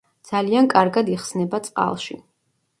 ძალიან კარგად იხსნება წყალში.